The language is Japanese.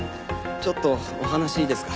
ちょっとお話いいですか？